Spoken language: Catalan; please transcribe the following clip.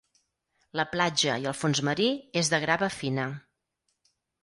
La platja i el fons marí és de grava fina.